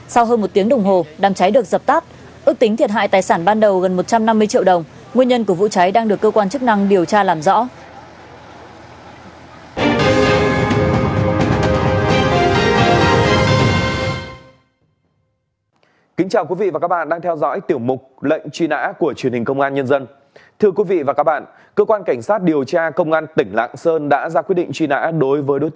sau hơn một tiếng đồng hồ đám cháy được dập tắt ước tính thiệt hại tài sản ban đầu gần một trăm năm mươi triệu đồng nguyên nhân của vụ cháy đang được cơ quan chức năng điều tra làm rõ